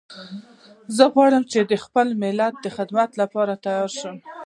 زه غواړم چې د خپل ملت د خدمت لپاره تیار شم